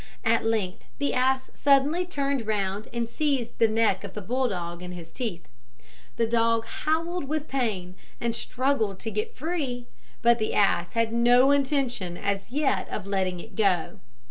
At length the ass suddenly turned round and seized the neck of the bull dog in his teeth. The dog howled with pain, and struggled to get free, but the ass had no intention as yet of letting it go.